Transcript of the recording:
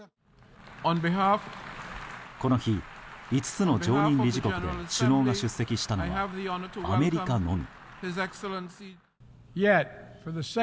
この日、５つの常任理事国で首脳が出席したのはアメリカのみ。